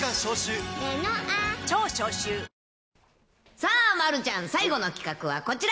さあ、丸ちゃん、最後の企画はこちら。